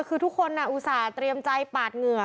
คือทุกคนอุตส่าห์เตรียมใจปาดเหงื่อ